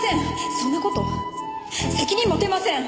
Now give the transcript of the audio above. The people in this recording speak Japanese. そんな事責任持てません！